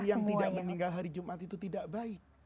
yang tidak meninggal hari jumat itu tidak baik